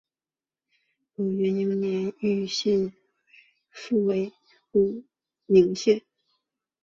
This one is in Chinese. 宝应元年豫宁县复为武宁县。